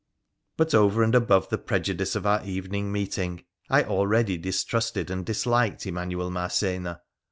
But, over and above the prejudice of our evening meeting, I already distrusted and disliked Emanuel Marcena.